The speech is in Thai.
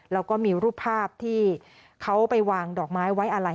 แล้วก็มีรูปภาพที่เขาไปวางดอกไม้ไว้อะไร